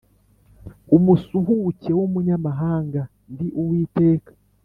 umusuhuke w umunyamahanga Ndi Uwiteka